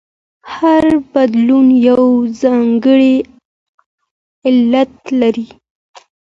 هر بدلون یو ځانګړی علت لري.